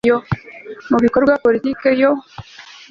mu bikorwa politiki yo